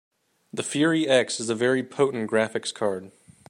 The Fury X is a very potent graphics card.